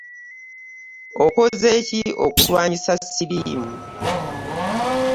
Okoze ki okulwanyisa siriimu.